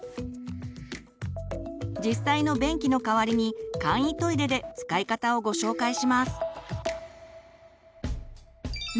実際の便器の代わりに簡易トイレで使い方をご紹介します。